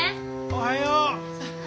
おはよう。